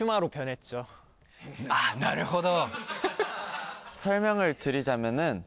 あっなるほど。